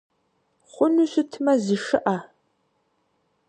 Хъуну щытмэ зышыӏэ!